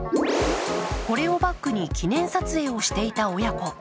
これをバックに記念撮影をしていた親子。